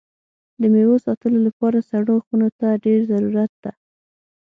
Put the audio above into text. د میوو ساتلو لپاره سړو خونو ته ډېر ضرورت ده.